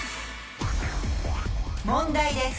問題です。